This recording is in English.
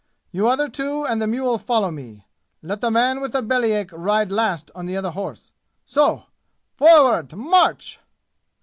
You other two and the mule follow me. Let the man with the belly ache ride last on the other horse. So! Forward march!"